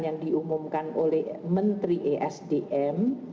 yang diumumkan oleh menteri esdm